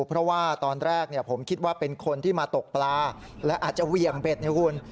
เพราะว่าตอนแรกผมคิดว่าเป็นคนที่มาตกปลาและอาจจะเหวี่ยงเบ็ดนะคุณ